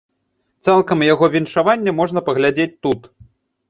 Цалкам яго віншаванне можна паглядзець тут.